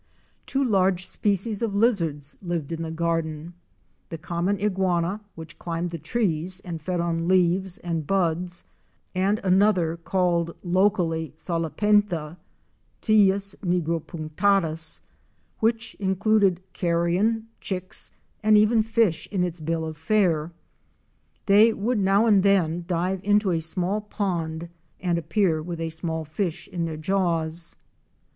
Two large species of lizards lived in the garden, the common iguana which climbed the trees and fed on leaves and buds, and another, called locally Salapenta (Teius nigro punctatus), which included carrion, chicks and even fish in its bill of fare. They would now and then dive into asmall pond and appear with a small fish in their jaws.